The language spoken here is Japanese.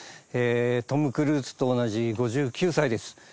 トム・クルーズと同じ５９歳です。